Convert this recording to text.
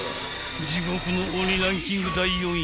地獄の鬼ランキング第４位］